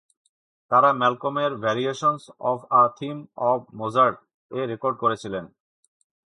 তারা ম্যালকমের "variations on a theme of মোজার্ট"ও রেকর্ড করেছিল।